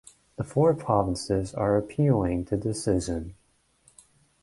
The four provinces are appealing the decision.